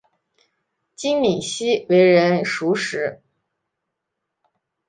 金珉锡为人熟识。